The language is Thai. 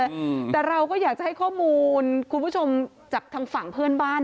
อืมแต่เราก็อยากจะให้ข้อมูลคุณผู้ชมจากทางฝั่งเพื่อนบ้าน